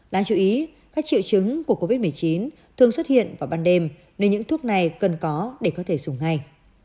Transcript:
đáng chú ý các triệu chứng của covid một mươi chín thường xuất hiện vào ban đêm nên những thuốc này cần có để có thể dùng ngay